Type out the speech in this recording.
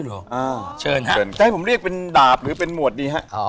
ทะให้ผมเรียกเป็นดาบหรือเป็นหมวดนี้ฮะ